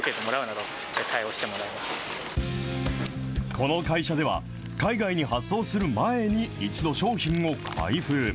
この会社では、海外に発送する前に、一度商品を開封。